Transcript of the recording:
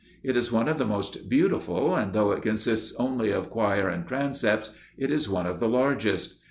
It is one of the most beautiful, and, though it consists only of choir and transepts, it is one of the largest.